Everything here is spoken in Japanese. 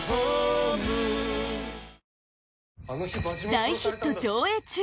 大ヒット上映中！